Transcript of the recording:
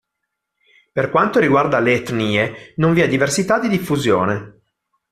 Per quanto riguarda le etnie non vi è diversità di diffusione.